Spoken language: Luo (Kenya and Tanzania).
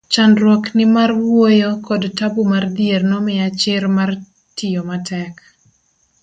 chandruok ni mar wuoyo kod tabu mar dhier nomiya chir mar tiyo matek